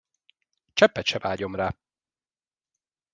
Cseppet se vágyom rá.